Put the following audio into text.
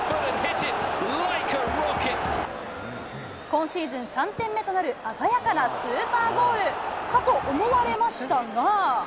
今シーズン３点目となる鮮やかなスーパーゴール、かと思われましたが。